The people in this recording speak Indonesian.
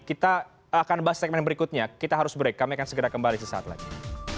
kita akan bahas segmen berikutnya kita harus break kami akan segera kembali sesaat lagi